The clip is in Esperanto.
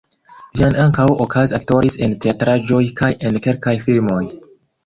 Vian ankaŭ okaze aktoris en teatraĵoj kaj en kelkaj filmoj.